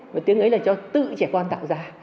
và tiếng ấy là cho tự trẻ con tạo ra